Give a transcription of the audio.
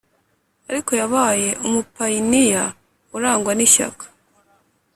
ariko yabaye umupayiniya urangwa n’ ishyaka.